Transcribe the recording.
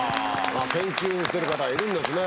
研究してる方がいるんですね